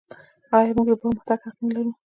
آیا موږ د پرمختګ حق نلرو؟